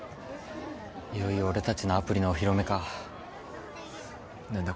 いよいよ俺達のアプリのお披露目か何だ